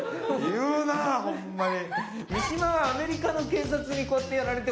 言うなホンマに。